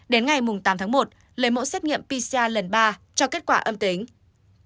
đến ngày tám tháng một lấy mẫu xét nghiệm pcr lần ba cho kết quả âm tính